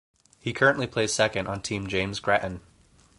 He currently plays second on Team James Grattan.